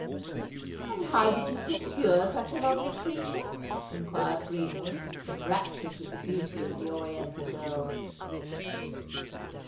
"And how did you procure such a lovely creature?" inquired Greenwood, enraptured with the beauty of the oriental girl.